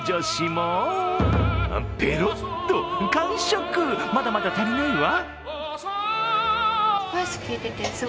まだまだ足りないわ。